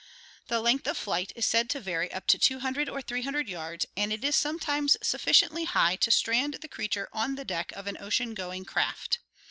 The length of flight is said to vary up to 200 or 300 yards and it is sometimes sufficiently high to strand the creature on the deck of an ocean going craft.